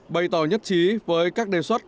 bày tỏ nhất trí với các đề xuất